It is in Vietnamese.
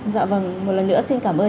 dạ vâng một lần nữa xin cảm ơn